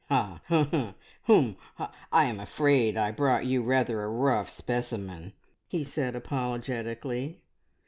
"Ha hum ha I am afraid I have brought you rather a rough specimen," he said apologetically.